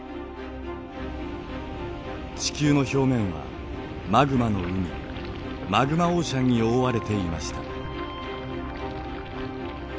地球の表面はマグマの海マグマオーシャンに覆われていました。